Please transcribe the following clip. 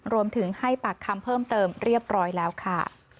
รวมถึงให้ปากคำเพิ่มเติมเรียบร้อยแล้วค่ะ